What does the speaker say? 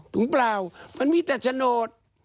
ถุงเปล่ามันมีแต่ชนด